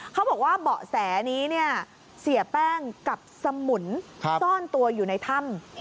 เขาบอกว่าเบาะแสนี้เนี่ยเสียแป้งกับสมุนซ่อนตัวอยู่ในถ้ำ